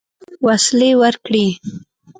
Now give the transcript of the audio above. وسلې ورکړې.